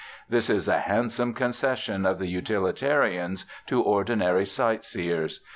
This is a handsome concession of the utilitarians to ordinary sight seers.